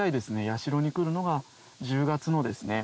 八代に来るのが１０月のですね